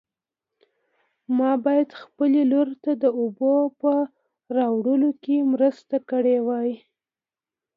ما باید خپلې خور ته د اوبو په راوړلو کې مرسته کړې وای.